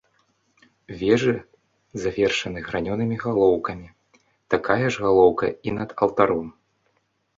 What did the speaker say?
Вежы завершаны гранёнымі галоўкамі, такая ж галоўка і над алтаром.